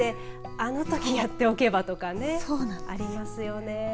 あのときやっておけばとかねありますよね。